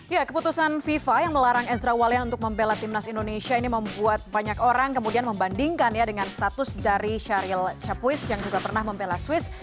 ya keputusan fifa yang melarang ezra walian untuk membela timnas indonesia ini membuat banyak orang kemudian membandingkan ya dengan status dari syahril capuis yang juga pernah membela swiss